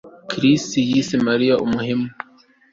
Chris yise Mariya umuhemu